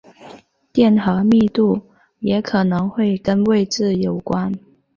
电荷密度也可能会跟位置有关。